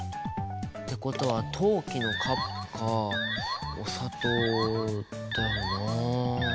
ってことは陶器のカップかお砂糖だよなあ。